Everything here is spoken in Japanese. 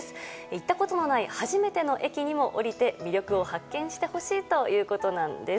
行ったことのない初めての駅にも降りて魅力を発見してほしいということなんです。